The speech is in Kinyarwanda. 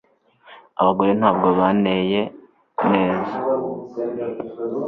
Abagore ntabwo banteye neza.